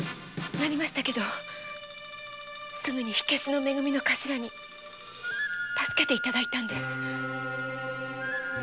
なりましたけどすぐに火消しの「め組」の頭に助けて頂いたんです。